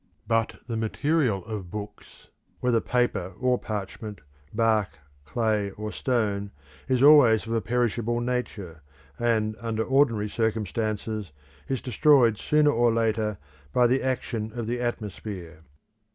But the material of books, whether paper or parchment, bark, clay, or stone, is always of a perishable nature, and, under ordinary circumstances, is destroyed sooner or later by the action of the atmosphere.